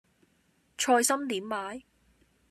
菜心點賣